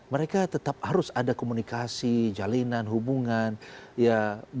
mereka tetap harus ada komunikasi jalinan hubungan ya